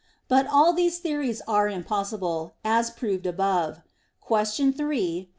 But, all these theories are impossible, as proved above (Q. 3, AA.